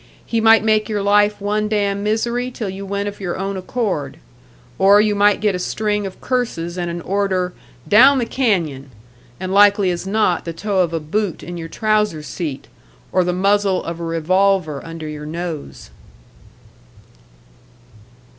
He might make your life one damn misery till you went of your own accord. Or you might get a string of curses and an order, "Down the canyon!" and likely as not the toe of a boot in your trouser seat, or the muzzle of a revolver under your nose.